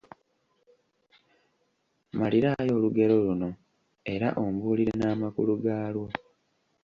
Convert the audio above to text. Mmaliraayo olugero luno era ombuulire n’amakulu gaalwo.